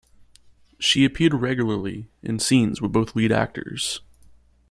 She appeared regularly in scenes with both lead actors.